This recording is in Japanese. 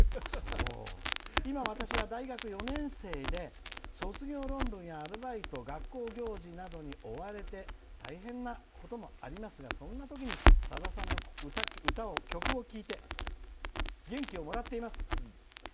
今、私は大学４年生で卒業論文やアルバイト学校行事に追われて大変なこともありますがそんなときにさださんの曲を聴いて元気をもらっています」